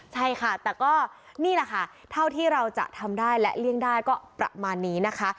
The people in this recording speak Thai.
ใช่ค่ะแต่ก็นี่แหละค่ะเท่าที่เราจะทำได้และเลี่ยงได้ก็ประมาณนี้นะคะ